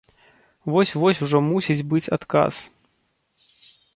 Вось-вось ужо мусіць быць адказ.